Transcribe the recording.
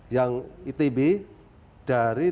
yang itb dari tiga ratus empat puluh tujuh